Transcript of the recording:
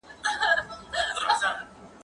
زه به پاکوالي ساتلي وي؟!